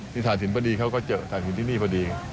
นี่ฐานถิ่นพอดีเขาก็เจอฐานถิ่นที่นี่พอดี